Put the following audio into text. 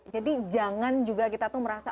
jadi jangan juga kita tuh merasa